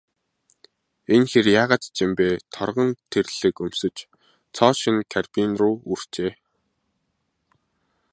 Энэ хэр яагаад ч юм бэ, торгон тэрлэг өмсөж, цоо шинэ карбин буу үүрчээ.